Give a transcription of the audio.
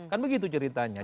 kan begitu ceritanya